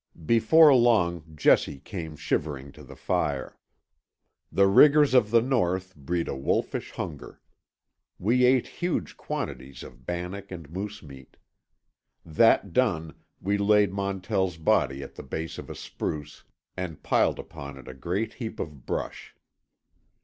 Before long Jessie came shivering to the fire. The rigors of the North breed a wolfish hunger. We ate huge quantities of bannock and moose meat. That done we laid Montell's body at the base of a spruce, and piled upon it a great heap of brush.